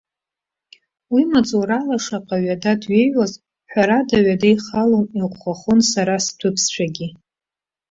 Уи маҵурала шаҟа ҩада дҩеиуаз, ҳәарада, ҩада ихалон, иӷәӷәахон сара сдәыԥсшәагьы.